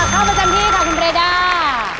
เข้ามาเต็มที่ค่ะคุณเรด้า